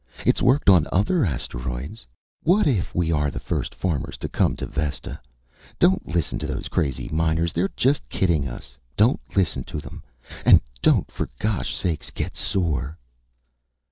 It's worked on other asteroids. What if we are the first farmers to come to Vesta?... Don't listen to those crazy miners! They're just kidding us! Don't listen to them! And don't, for gosh sakes, get sore...."